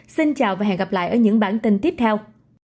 xin chào và hẹn gặp lại ở những bản tin tiếp theo